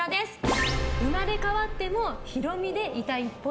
生まれ変わってもヒロミでいたいっぽい。